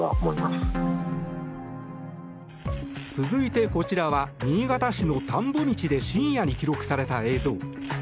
続いて、こちらは新潟市の田んぼ道で深夜に記録された映像。